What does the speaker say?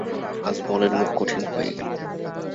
আজমলের মুখ কঠিন হয়ে গেল।